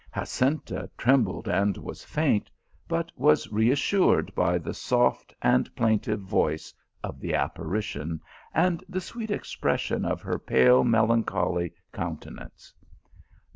Jacinta trembled and was faint, but was reassured by the soft and plaintive voice ol the apparition, and the sweet expression of her pale melancholy counte nance.